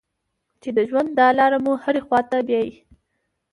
چې د ژوند دا لاره مو هرې خوا ته بیايي.